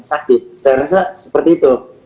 sakit saya rasa seperti itu